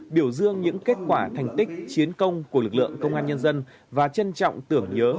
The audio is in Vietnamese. biểu dương những kết quả thành tích chiến công của lực lượng công an nhân dân và trân trọng tưởng nhớ